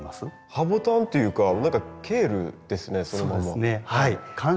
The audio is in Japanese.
ハボタンっていうか何かケールですねそのまま。